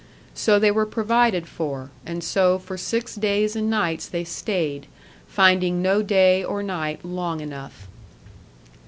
So they were provided for, and so for six days and nights they stayed, finding no day or night long enough.